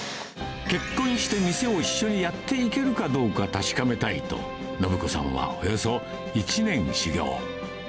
結婚して店を一緒にやっていけるかどうか確かめたいと、申子さんはおよそ１年修業。